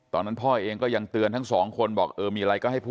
ตรของหอพักที่อยู่ในเหตุการณ์เมื่อวานนี้ตอนค่ำบอกให้ช่วยเรียกตำรวจให้หน่อย